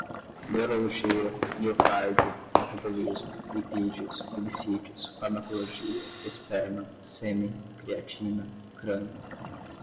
neurologia, miocárdio, metabolismo, lipídios, glicídios, farmacologia, esperma, sêmen, creatina, crânio